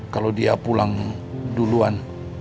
kalau dia pulang duluan